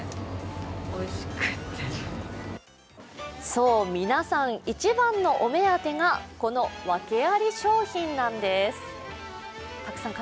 そう、皆さん一番のお目当てがこのワケあり商品なんです。